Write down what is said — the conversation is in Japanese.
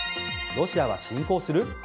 ロシアは侵攻する？